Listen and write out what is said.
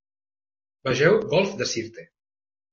Vegeu golf de Sirte.